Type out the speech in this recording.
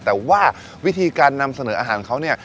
แต่ว่าวิธีการนำเสนออาหารของเขาเนี่ย